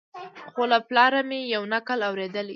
خو له پلاره مي یو نکل اورېدلی